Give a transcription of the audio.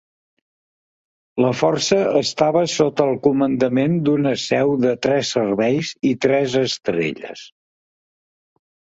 La força estava sota el comandament d'una seu de tres serveis i tres estrelles.